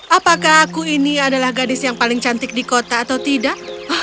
apakah aku ini adalah gadis yang paling cantik di kota atau tidak